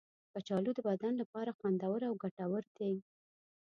کچالو د بدن لپاره خوندور او ګټور دی.